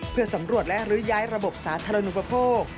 เพื่อสำรวจและรื้อย้ายระบบสาธารณูปโภค